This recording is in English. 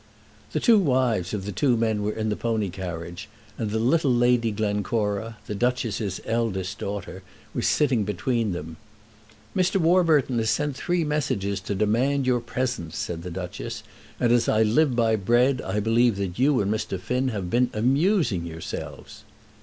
The two wives of the two men were in the pony carriage, and the little Lady Glencora, the Duchess's eldest daughter, was sitting between them. "Mr. Warburton has sent three messengers to demand your presence," said the Duchess, "and, as I live by bread, I believe that you and Mr. Finn have been amusing yourselves!"